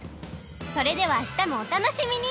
それではあしたもお楽しみに！